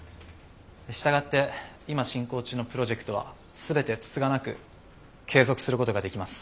従って今進行中のプロジェクトは全てつつがなく継続することができます。